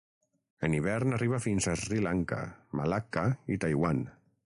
En hivern arriba fins a Sri Lanka, Malacca i Taiwan.